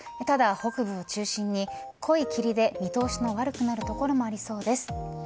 ただ北部を中心に濃い霧で見通しの悪くなるところもありそうです。